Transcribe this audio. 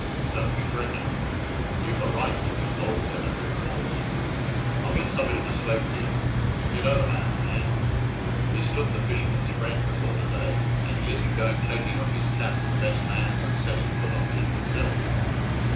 'Don't be freckened; you've a right to be bould in a good cause. I'll get somebody to spake for you. You know the man I mane. He's stood the fisherman's friend before to day, and he isn't going taking off his cap to the best man that's setting foot on Tynwald Hill."